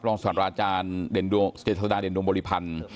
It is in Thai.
ศาสตราอาจารย์เจษฎาเด่นดวงบริพันธ์